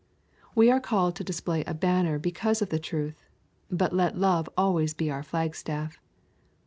We are called to display a banner because of the truth, but let love always be our flag staff.